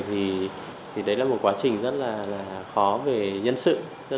thì đấy là một quá trình rất là khó về nhân sự